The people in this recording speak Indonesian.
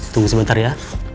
tunggu sebentar ya